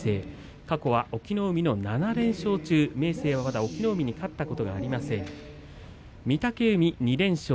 過去は隠岐の海の７連勝明生はまだ隠岐の海に勝ったことがありません。